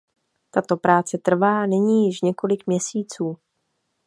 Tato práce trvá nyní již několik měsíců.